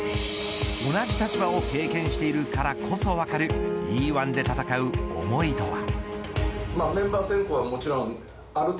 同じ立場を経験しているからこそ分かるＥ‐１で戦う、思いとは。